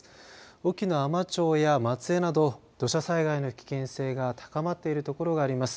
隠岐の海士町や松江のなど土砂災害の危険性が高まっているところがあります。